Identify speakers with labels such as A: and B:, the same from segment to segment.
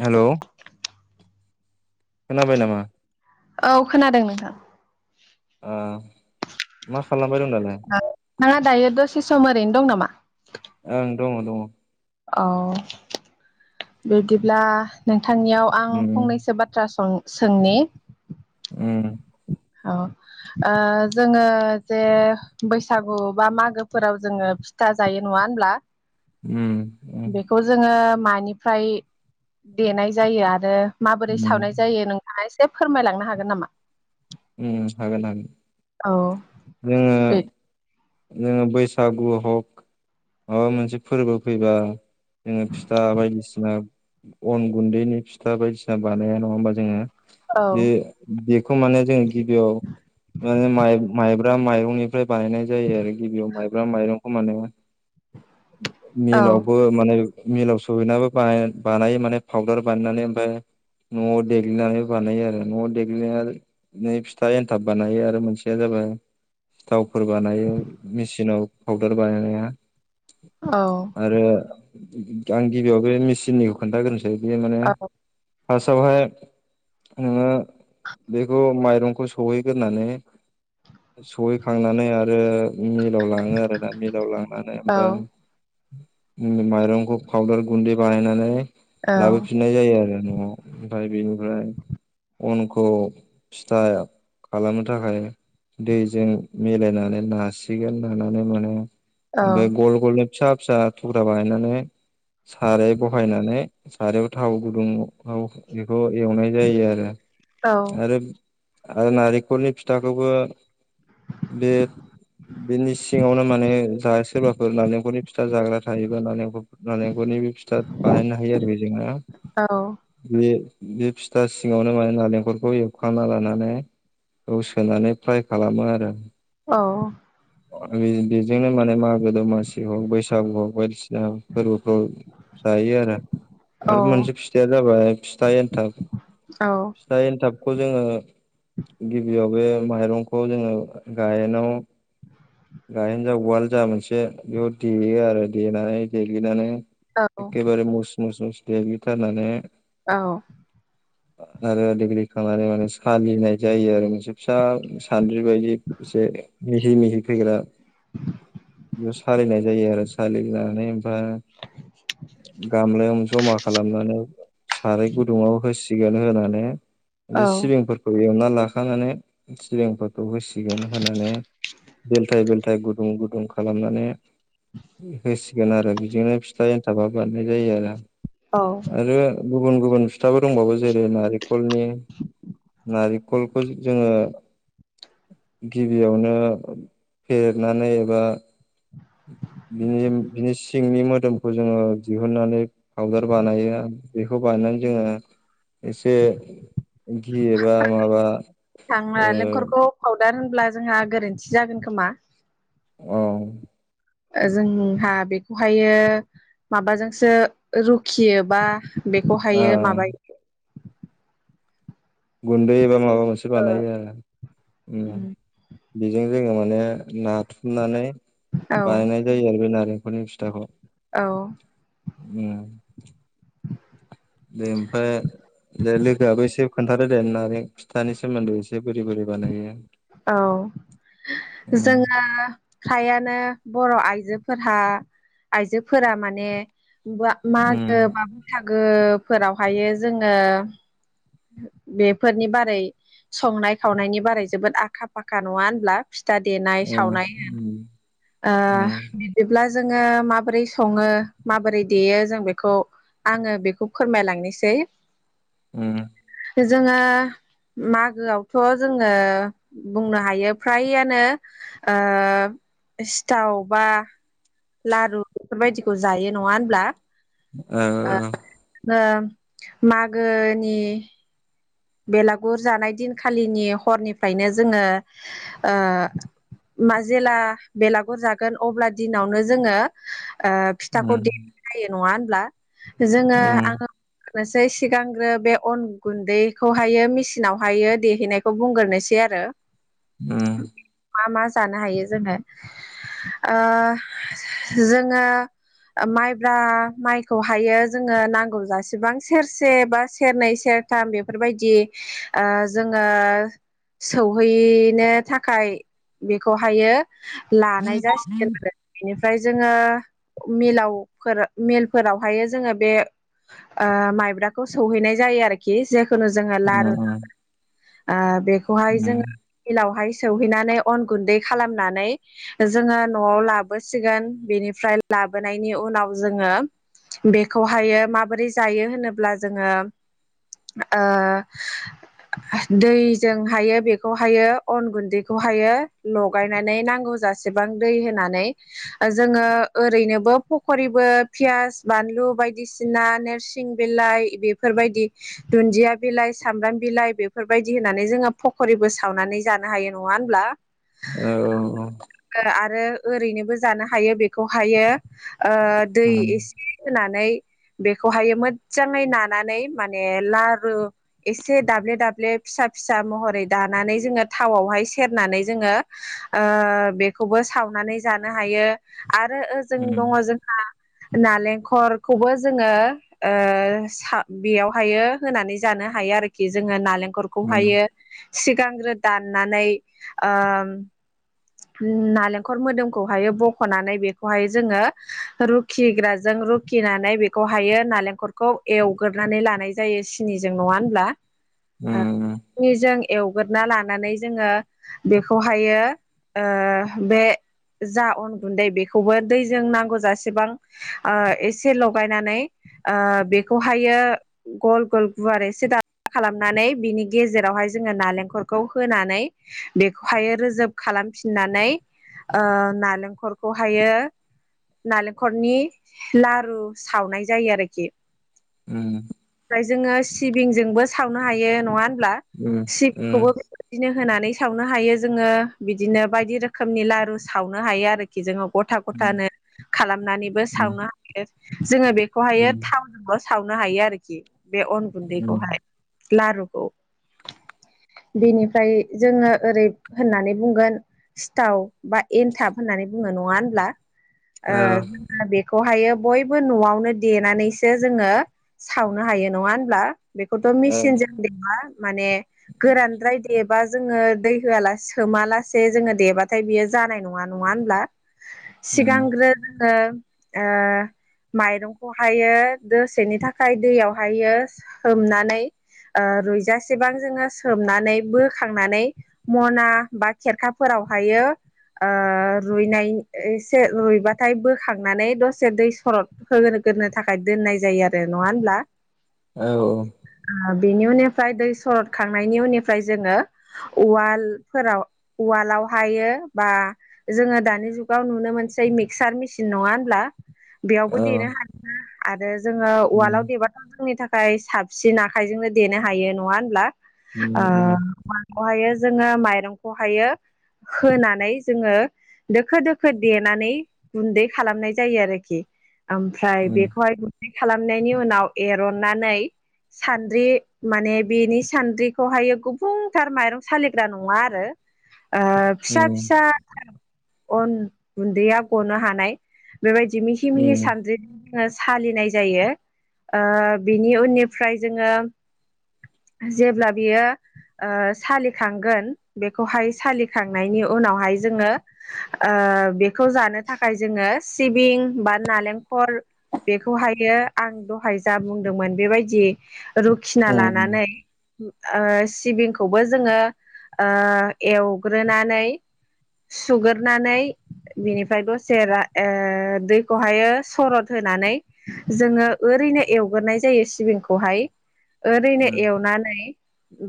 A: हेल'। खोनाबाय नामा?
B: औ खोनादों नोंथां
A: ओ मा खालाम
B: ओ नोंथाङा दायो दसे सम ओरैनो दं नामा?
A: ओं दङ दङ
B: औ बिदिब्ला नों थांनियाव आं
A: उम
B: फंनैसो बाथ्रा सों सोंनि
A: उम
B: ओ जोङो जे बैसागु बा मागोफोराव जोङो फिथा जायो नङा होमब्ला
A: उम उम
B: बेखौ जोङो मानिफ्राय देनाय जायो आरो माबोरै
A: उम
B: सावनाय जायो नोंथाङा ए से फोरमायलांनो हागोन नामा?
A: उम हागोन हागोन
B: औ
A: जोङो
B: बे
A: जोङो बैसागु हग माबा मोनसे फोरबो फैबा जोङो फिथा बायदिसिना अन गुन्दैनि फिथा बायदिसिना बानाया नङा होमबा जोङो
B: औ
A: बे बेखौ माने जोङो गिबियाव माने माइ माइ ब्रा माइरंनिफ्राय बानायनाय जायो आरो गिबियाव माइब्रा माइरंखौ माने
B: औ
A: मिलावबो माने मिलाव सहैनाबो बानायो माने फाउदार बानायनानै ओमफ्राय न'आव देग्लिनानै बानायो आरो न'आव देग्लिनानै फिथा एन्थाब बानायो आरो मोनसेया जाबाय सिथावफोर बानायो मेसिनाव फाउदार बायनाया
B: औ
A: आरो आं गिबियाव बे मिसिननिखौ खोनथाग्रोनि आरैबायदि माने फार्स्टआवहाय नोङो बेखौ माइरं खौ सहैग्रोरनानै सहैखांनानै आ रो मिलाव लाङो आरोना मिलाव लांनानै
B: औ
A: ओमफ्राय माइरंखौ फउदार गुन्दै बाहायनानै
B: औ
A: लाबोफिननाय जायो आरो न'आव ओमफ्राय बेनि ओमफ्राय अनखौ फिथा खालामनो थाखाय दैजों मिलायनानै नासिगोन नानानै माने
B: औ
A: बे गल गल फिसा फिसा थुख्रा बाहायनानै साराय बहायनानै सारायाव थाव गुदुं बेखौ एवनाय जायो आरो आरो आरो नारेंखलनि फिथाखौबो बे बिनि सिङावनो माने जा सोरबाफोर माने फिथख जाग्रा थायोबा नारेंखल निबो फिथा बानायनो हायो आरो बे जोंना बे बे फिथा सिङावनो माने नारेंखलखौ एवखांना लानानै औ सोनानै फ्राय खालामो आरो
B: औ
A: बेजोंनो माने मा दमासि हग बैसागु हग बायदिसिना फोरबोफ्राव जायो आरो
B: औ
A: आरो मोनसे फिथाइया जाबाय फिथा एनथाब
B: औ
A: फिथाइ एन्थाब खौ जोङो गिबियाव बे माइरंखौ जोङो गायेनाव गायेन जा उवाल जा मोनसे बेयाव देयो आरो देनानै देग्लिनानै
B: औ
A: एखेबारे मस मस मस देग्लिथारनानै
B: औ
A: ओ देग्लिखांनानै सालिनाय जायो आरो मोनसे फिसा सान्द्रि बायदि मिहि मिहि फैग्रा बेयाव सालिनाय जायो आरो सालिनानै ओमफ्राय गामलायाव जमा खालामनानै साराय गुदुङाव होसि सिगोन होनानै
B: औ
A: बे सिबिंफोरखौ एव ना लाखांनानै सिबिंफोरखौ होसि गोन होनानै बेलथाय बेलथाय गुदुं गुदुं खालामनानै [unintelligible] आरो बिदिनो फिथा एन्थाबा [unintelligible] जायो आरो
B: औ
A: आरो गुबुन गुबुन फिथाबफोर दंबावो जेरै नारेंखलनि नारेंखलखौ जोङो गिबियावनो फेेहेरनानै एबा बिनि [unintelligible] बिनि सिंनि मोदोमखौ जोङो दिहुननानै पउदार बानायो बेखौ बानायो जोङो। एसे गि एबा माबा ओ
B: दा होनब्ला जोंहा गोरोन्थि जागोन खोमा?
A: औ
B: जोंहा बेखौहायो माबाजोंसो रुखियोबा
A: ओ
B: बेखौहायो माबायो [inaudible]
A: गुन्दैबो माबा मोनसे बानायो आरो उम बेजों जोङो नो [unintelligible] नाथुमनानै
B: औ
A: बानायनाय जायो आरो बे नारेंखलनि फिथाखौ
B: औ
A: उम
B: [inaudible]
A: दे ओमफ्राय दे लोगोआबो एसे खोन्थादो दे मारै [unintelligible] फिथानि सोमोनदै एसे बोरै बोरै बानायो
B: औ
A: उम
B: जोङो फ्रायानो बर' आइजोफोरहा आइजोफोरा माने गवा [unintelligible] मा होनो
A: उम
B: बाबु थां गो फोरावहायो जोङो बेफोरनि बारै संनाय खावनायनि बारै जोबोद आख खा फाख नङा होनब्ला? फिथा देनाय
A: उम
B: सावनाय
A: उम
B: ओ
A: उम
B: बिदिब्ला जोङो माबोरै सङो माबोरै देयो जों बेखौ आङो बेखौ फोरमायलांनोसै
A: उम
B: जोङो मागोआवथ' जोङो बुंनो हायो फ्रायानो ओ सिथावबा लारु बेफोरबायदिखौ जायो नङा होनब्ला
A: औ
B: ओ मागोनि बेलागुर जानाय दिनखालिनि हरनिफ्रायनो जोङो ओ मा जेला बेलागुर जागोन अब्ला दिनावनो जोङो ओ फिथाखौ देनायजायो नङा ब्ला जोङो आङो एसे सिगांग्रो बे अन गुन्दै बेखौहायो मेसिनावहायो देहैनायखौ बुंगोरनोसै आरो।
A: उम
B: मा मा जानो हायो जोङो ओ जोङो माइब्रा माइखौहायो जोङो नांगौ जासेबां सेरसे बा सेरनै सेरथाम बे बेफोरबायदि ओ जोङो सौहैनो थाखाय बेखौहायो लानाय जासिगोन आरो बेनि ओमफ्राय जोङो मिलाव फोरो मिलफोरावहायो जोङो बे ओ माइब्राखौ सौहैनाय जायो आरोखि जे जोङो लारु आ बेखौहाय जोङो मिलावहाय सहैनानै अन गुन्दै खालामनानै जोङो न'आव लाबोसिगोन बेनिफ्राय लाबोनायनि उनाव जोङो बेखौहायो माबोरै जायो होनोब्ला जोङो ओ दैजोंहायो बेखौहायो अन गुन्दैखौहायो लगायनानै नांगौ जासेबां दै होनानै जोङो ओरैनोबो फखरिबो पियास बानलु बायदिसिना नोरसिं बिलाइ बेफोरबायदि दुन्दिया बिलाइ सामब्राम बिलाइ बेफोरबायदि होनानै जोङो फखरिबो सावनानै जानो हायो नङा होमब्ला?
A: औ औ।
B: आरो ओरैनोबो जानो हायो बेखौहायो। ओ दै एसे होनानै बेखौहायो मोदजाङै नानानै माने लारु एसे दाब्ले दाब्ले फिसा फिसा महरै दानानै जोङो थावआवहाय सेरनानै जोङो ओ बेखौबो सावनानै जानो हायो। आरो ओजों दङ जोंहा नालेंखरखौबो जोङो ओ साव बेयाव हायो होनानै जानो हायो आरोखि जोङो नालें खरखौ हायो। सिगांग्रो दाननानै ओ‌म नालेंखर मोदोमखौहायो बख'नानै बेखौहाय जोङो रुखिग्राजों रुखिनानै बेखौहायो नालेंखरखौ एवगोरनानै लानाय जायो सिनिजों नङा होनब्ला? [unintelligible] एवगोरना लानानै जोङो बेखौहायो ओ बे जा अन गुन्दै बेखौबो दैजों नांगौ जासेबां ओ एसे लगायनानै ओ बेखौहायो गल गल गुवार एसे दा खालामनानै बिनि गेजेरावहाय जोङो नालेंखरखौ होनानै बेखौहायो रोजोब खालाम फिननानै ओ नालेंखरखौहायो नालेंखरनि लारु सावनाय जायो आरोखि।
A: उम
B: ओमफ्राय जोङो सिबिंजोंबो सावनो हायो नङा होनब्ला सिबिंखौबो बेबायदिनो होनानै सावनो हायो जोङो बि बिदिनो बायदि रोखोमनि लारु सावनो हायो आरोखि जोङो गथा गथानो खालामनानैबो सावनो हायो जोङो बेखौहायो थावजोंबो सावनो हायो आरोखि। बे अन गुन्दैखौहाय। लारुखौ बेनिफ्राय जोङो ओरै होननानै बुंगोन। सिथाव। बा एनथाब होननानै। बुङो नङा होनब्ला। ओ जों दा बेख। खौहायो बयबो न'आवनो देनानैसो जोङो सावनो हायो नङा होनब्ला? बेखौथ' मेसिन जों देबा। माने गोरानद्राय देब। बा जोङो दै होआलास सोमाला। से जोङो देबाथाय बियो जानाय नङा नङा होनब्ला? सिगांग्रो जोङो। ओ माइरंखौहायो दसेनि थाखाय दैयावहायो सोमनानै ओ रुइजासेबां जोङो सोमनानै बोखांनानै मना बा। खेरखाफोरावहायो ओ रुइनाय एसे रुइबाथाय बोखांनानै दसे दै सरद होगोग्रोनो थाखाय दोननाय जायो आरो। नङा होमब्ला?
A: औ औ।
B: ओ बिनि उननिफ्राय दै सरद खांनायनि उननिफ्राय जोङो उवालफोराव। उवालाव हायो बा जोङो दानि जुगाव नुनो मोनसै मिक्सार मेसिन नङा होनब्ला? बेयावबो देनो हानायोना? आरो। जोङो उवालआव देबाथ' जोंनि थाखाय। ओमफ्राय साबसिन आखाइजोंनो देनो हायो नङा होनब्ला? ओ। बेहायो जोङो माइरंखौ हायो। होनानै जोङो दोखो दोखो देनानै गुन्दै खालामनाय जायो आरोखि। ओमफ्राय बेखौहाय गुनदै। खालामनायनि उनाव एरननानै सान्द्रि माने बेनि सान्द्रिखौहाय गुबुंथार माइरं सालिग्रा नङा आरो। ओ फिसा फिसा। अन गुन्दैया गनो हानाय। बेबायदि मिहि मिहि सानद्रि। जों सालिनाय जायो। ओ बिनि उननिफ्राय जोङो जेब्ला बियो ओ सालिखांगोन बे बेखौहाय सालिखांनायनि उनावहाय जोङो ओ बेखौ जानो थाखाय जोङो सिबिं बा नालेंखर बेखौहायो आं दहाय जा बुंदोंमोन बेबायदि रुखिना लानानै। ओ सिबिंखौबो जोङो ओ। एवग्रोनानै सुग्रोनानै बेनिफ्राय दसे रा‌ ओ दैखौहायो सरद होनानै जोङो ओरैनो एवग्रोनाय जायो सिबिंखौहाय। ओरैनो एवनानै।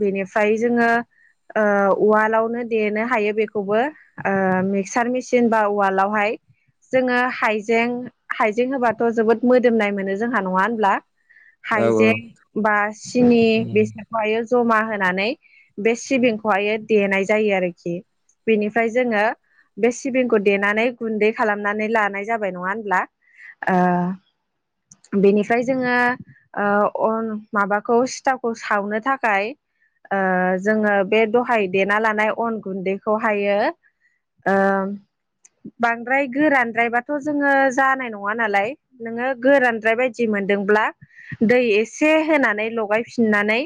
B: बेनिफ्राय जोङो ओ उवालावनो देनो हायो बेखौबो मिक्सार मेसिन बा उवालावहाय जोङो हाइजें हाइजें होबाथ' जोबोद मोदोमनाय मोनो जोंहा नङा होनोमब्ला हाइजें बा सिनि
A: औ
B: बेसोरखौहायो जमा होनानै बे सिबिंखौहायो देनाय जायो आरोखि बेनिफ्राय जोङो बे सिबिंखौ देनानै गुन्दै खालामनानै लानाय जाबाय नङा होनब्ला ओ बेनिफ्राय जोङो अन माबाखौ सिथावखौ सावनो थाखाय ओ जोङो बे दहाय देना लानाय अन गुन्दैखौहायो ओ बांद्राय गोरानद्रायबाथ' जोङो जानाय नङा नालाय नोङो गोरानद्राय बायदि मोनदोंब्ला दै एसे होनानै लगायफिननानै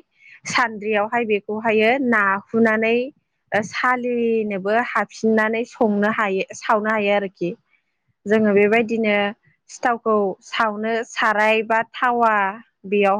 B: सान्द्रियावहाय बेखौहायो नाहुनानै सालिनोबो हाफिननानै संनो हायो सावनो हायो आरोखि जोङो बेबायदिनो सिथावखौ सावनो साराय बा थावा बेयावहाय